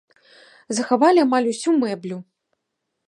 Захавалі амаль усю мэблю.